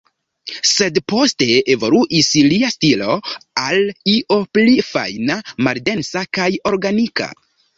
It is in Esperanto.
Sed poste, evoluis lia stilo, al io pli fajna, maldensa, kaj organika.